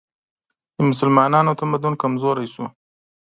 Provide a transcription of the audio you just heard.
د مسلمانانو تمدن کمزوری شو